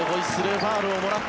ファウルをもらった。